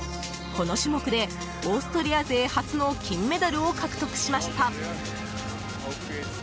この種目で、オーストリア勢初の金メダルを獲得しました。